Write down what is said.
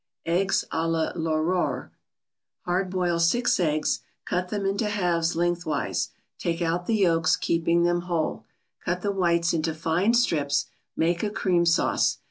EGGS A L'AURORE Hard boil six eggs, cut them into halves lengthwise, take out the yolks, keeping them whole. Cut the whites into fine strips. Make a cream sauce.